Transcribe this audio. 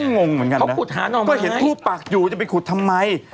ก็งงเหมือนกันนะก็เห็นทูปักอยู่จะไปขุดทำไม